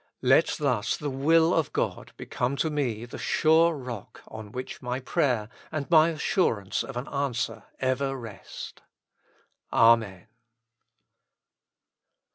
Let thus the will of God become to me the sure rock on which my prayer and my assurance of an answer ever rest. Amen.